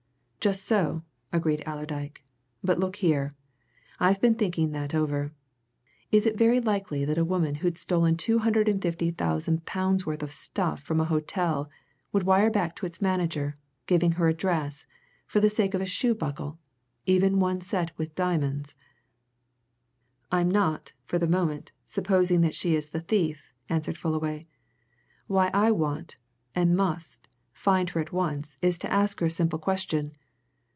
"Just so," agreed Allerdyke. "But look here I've been thinking that over. Is it very likely that a woman who'd stolen two hundred and fifty thousand pounds' worth of stuff from an hotel would wire back to its manager, giving her address, for the sake of a shoe buckle, even one set with diamonds?" "I'm not for the moment supposing that she is the thief," answered Fullaway. "Why I want and must find her at once is to ask her a simple question.